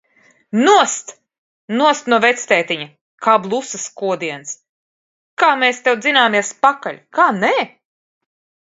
Nost! Nost no vectētiņa! Kā blusas kodiens. Kā mēs tev dzināmies pakaļ! Kā nē?